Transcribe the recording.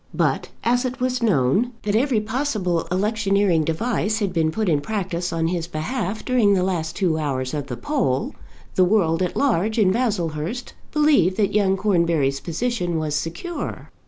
But as it was known that every possible electioneering device had been put in practice on his behalf during the last two hours of the poll, the world at large in Baslehurst believed that young Cornbury's position was secure.